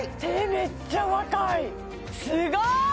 めっちゃ若いすごい！